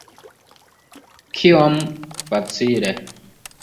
Kiom facile!